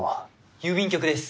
郵便局です。